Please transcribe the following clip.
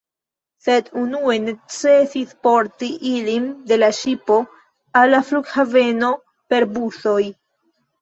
Sed unue necesis porti ilin de la ŝipo al la flughaveno per busoj.